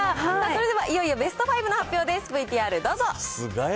それではいよいよベスト５の発表です。